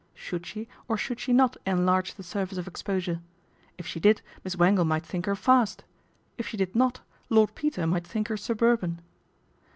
Should she or should she not enlarge the surface of exposure ? If she did Miss Wangle might think her fast ; if she did not Lord Peter might think her suburban.